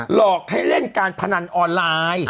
หลอกให้เล่นการพนันออนไลน์